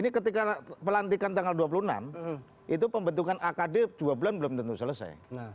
ini ketika pelantikan tanggal dua puluh enam itu pembentukan akd dua bulan belum tentu selesai